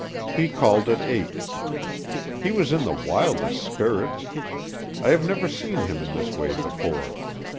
He called at eight. He was in the wildest spirits. I have never seen him in this way before.